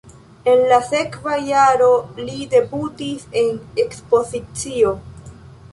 En la sekva jaro li debutis en ekspozicio.